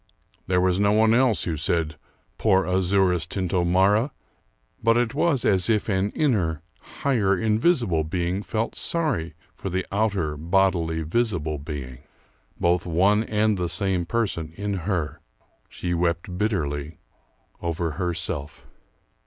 There was no one else who said "poor Azouras Tintomara!" but it was as if an inner, higher, invisible being felt sorry for the outer, bodily, visible being, both one and the same person in her. She wept bitterly over herself.